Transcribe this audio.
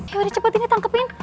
ya udah cepet ini tangkepin